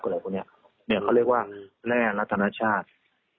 เขาเรียกว่าแร่รัฐนาชาติ